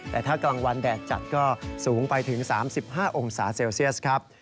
แต่ถ้ากลางวันแดดจัดก็สูงไปถึง๓๕องศาเซลเซียสครับ